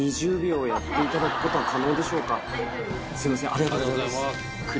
ありがとうございます。